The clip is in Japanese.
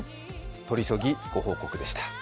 取り急ぎ、ご報告でした。